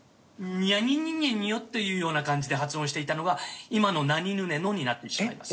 「にゃににゅねにょ」というような感じで発音していたのが今の「なにぬねの」になってしまいます。